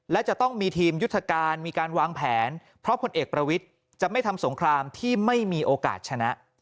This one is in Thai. และจะต้องมีทีมยุทธการมีการวางแผนเพราะผลเอกประวิทย์จะไม่ทำสงครามที่ไม่มีโอกาสชนะ